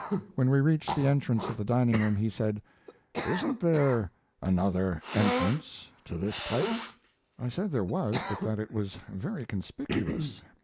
When we reached the entrance of the dining room he said: "Isn't there another entrance to this place?" I said there was, but that it was very conspicuous.